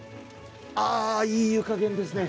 いい湯加減ですね。